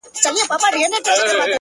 گرانه شاعره لږ څه يخ دى كنه ـ